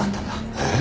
えっ？